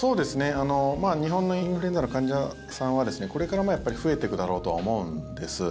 日本のインフルエンザの患者さんはこれから増えていくだろうとは思うんです。